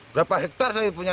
berapa hektare saya punya